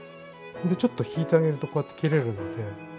ちょっと引いてあげるとこうやって切れるので。